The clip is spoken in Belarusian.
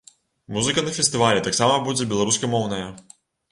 Музыка на фестывалі таксама будзе беларускамоўная.